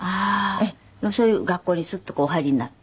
でもそういう学校にスッとお入りになって。